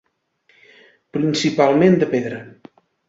Principalment de pedra.